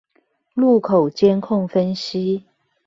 路口監控分析